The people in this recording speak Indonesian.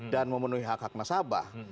dan memenuhi hak hak nasabah